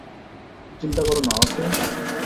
চিন্তা করোনা, ওকে?